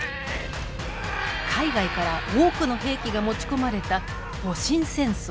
海外から多くの兵器が持ち込まれた戊辰戦争。